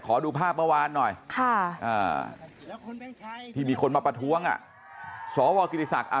ขอดูภาพเมื่อวานหน่อยค่ะอ่าที่มีคนมาประท้วงอ่ะสวกิริสักษ์อ่ะ